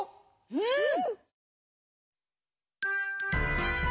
うん。